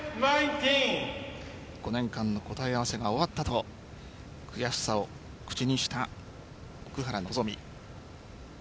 ５年間の答え合わせは終わったと悔しさを口にした奥原希望。